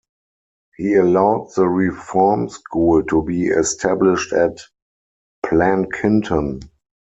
He allowed the reform school to be established at Plankinton.